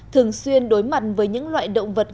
thường xuyên đối mặt với những loại động vật